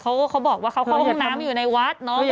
เขาบอกว่าเขาเข้าห้องน้ำอยู่ในวัดเนอะ